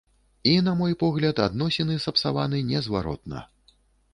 І, на мой погляд, адносіны сапсаваны незваротна.